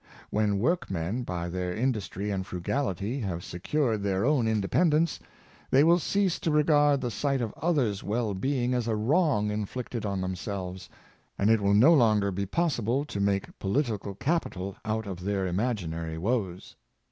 When work men, by their industry and frugality, have secured their own independence, they will cease to regard the sight of others' well being as a wrong inflicted on themselves; and it will no longer be possible to make political capi tal out of their imaginary woes.